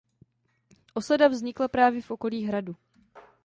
Osada vznikla právě v okolí hradu.